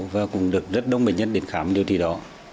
và cũng được rất đông bệnh nhân đến khám điều trị đó